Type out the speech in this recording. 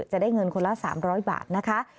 จะได้เงินคนละ๓๐๐บาทนะคะ